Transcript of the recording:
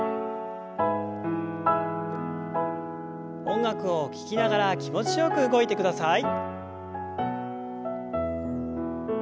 音楽を聞きながら気持ちよく動いてください。